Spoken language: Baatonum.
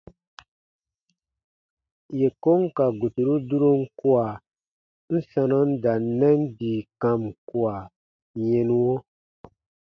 Yè kon ka guturu durom kua, n sanɔ n da n nɛn bii kam kua yɛnuɔ.